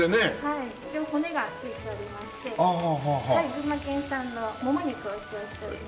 群馬県産のもも肉を使用しております。